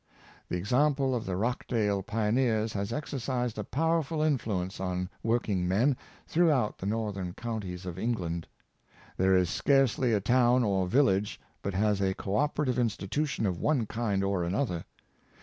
The example of the Rochdale Pioneers has exercised a powerful influence on working men throughout the northern counties of England. There is scarcely a town or village but has a co operative institution of one kind or another.